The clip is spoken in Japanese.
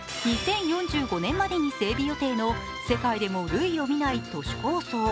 ２０４５年までに整備予定の世界でも類を見ない都市構想。